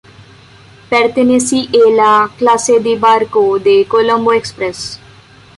Pertenece a la clase de barcos de Colombo Express.